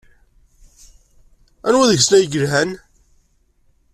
Anwa deg-sen ay yelhan?